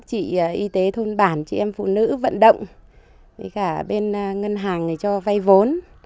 chị y tế thôn bản chị em phụ nữ vận động cả bên ngân hàng cho vay vốn